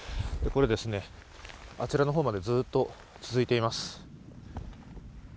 これ、あちらの方までずっと続いています。